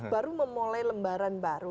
baru memulai lembaran baru